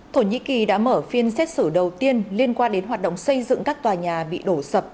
thổ nhĩ kỳ đã mở phiên xét xử đầu tiên liên quan đến hoạt động xây dựng các tòa nhà bị đổ sập